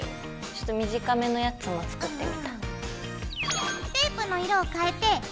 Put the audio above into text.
ちょっと短めのやつも作ってみた。